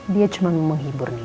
dia cuma mau menghibur nino